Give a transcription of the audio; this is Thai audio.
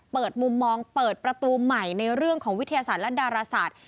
มุมมองเปิดประตูใหม่ในเรื่องของวิทยาศาสตร์และดาราศาสตร์